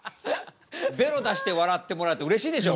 ベロ出して笑ってもらうってうれしいでしょ？